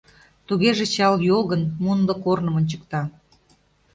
Тугеже Чал йогын мунло корным ончыкта.